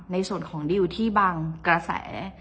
ในส่วนของดิวที่บางกระแส